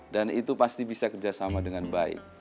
dan itu pasti bisa kerjasama dengan baik